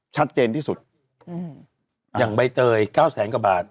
ชัดเจนที่สุดอย่างใบเตย๙แสนกว่าบาท